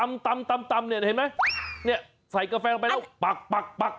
ไอ้ที่ตำเนี่ยเห็นมั้ยเนี่ยใส่กาแฟเข้าไปแล้ว